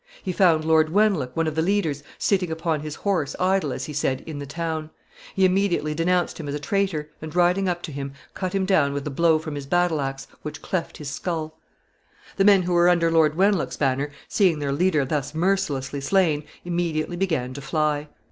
He found Lord Wenlock, one of the leaders, sitting upon his horse idle, as he said, in the town. He immediately denounced him as a traitor, and, riding up to him, cut him down with a blow from his battle axe, which cleft his skull. [Sidenote: Panic and flight.] The men who were under Lord Wenlock's banner, seeing their leader thus mercilessly slain, immediately began to fly.